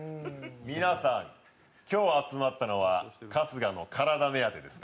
皆さん、今日集まったのは春日の体目当てですか？